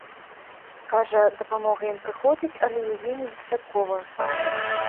Кажа, дапамога ім прыходзіць, але яе недастаткова.